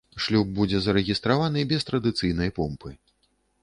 Шлюб будзе зарэгістраваны без традыцыйнай помпы.